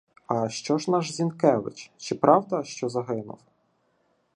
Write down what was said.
— А що ж наш Зінкевич, чи правда, що загинув?